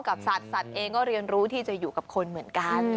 สัตว์สัตว์เองก็เรียนรู้ที่จะอยู่กับคนเหมือนกัน